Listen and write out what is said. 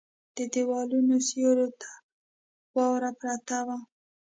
د ديوالونو سيورو ته واوره پرته وه.